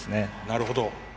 なるほど。